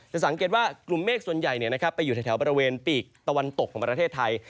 สังเกตว่ากลุ่มเมฆส่วนใหญ่ไปอยู่แถวบริเวณปีกตะวันตกของประเทศไทย